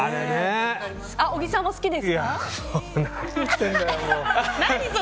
小木さんも好きですか？